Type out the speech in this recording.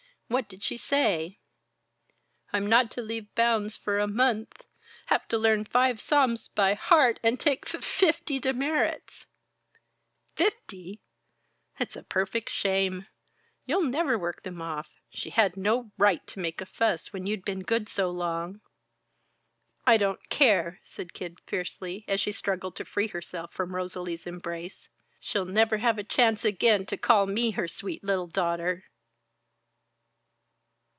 What did she say?" "I'm not to leave bounds for a month, have to learn five psalms by heart and take f fifty demerits." "Fifty! It's a perfect shame! You'll never work them off. She had no right to make a fuss when you'd been good so long." "I don't care!" said Kid, fiercely, as she struggled to free herself from Rosalie's embrace. "She'll never have a chance again to call me her sweet little daughter."